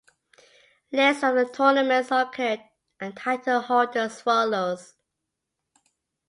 List of the tournaments occurred and title holders follows.